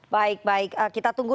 baik baik kita tunggu